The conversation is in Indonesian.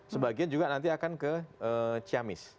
sebagian juga nanti akan ke ciamis